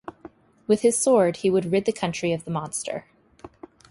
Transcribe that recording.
With his sword, he would rid the country of the monster.